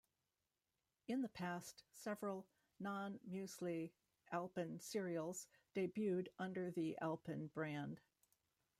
In the past, several non-muesli Alpen cereals debuted under the Alpen brand.